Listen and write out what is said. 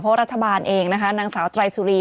เพราะรัฐบาลเองนะคะนางสาวไตรสุรี